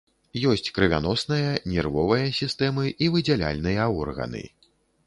Ёсць крывяносная, нервовая сістэмы і выдзяляльныя органы.